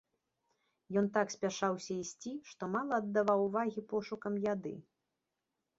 Ён так спяшаўся ісці, што мала аддаваў увагі пошукам яды.